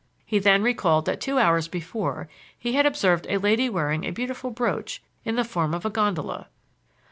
He then recalled that two hours before he had observed a lady wearing a beautiful brooch in the form of a gondola.